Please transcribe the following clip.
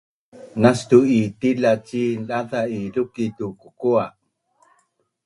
Nastu’ i tilac cin daza’ i lukic tu kukua